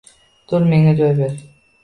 Tur, menga joy ber!